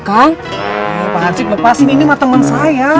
pak gantip lepaskan ini teman saya